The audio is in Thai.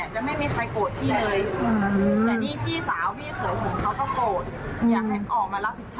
ก็ไม่ได้ไปทำงาน